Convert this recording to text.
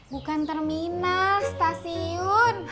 bukan terminal stasiun